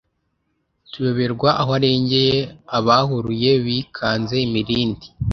tuyoberwa aho arengeye Abahuruye bikanze imirindi